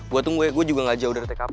gue tunggu ya gue juga gak jauh dari tkp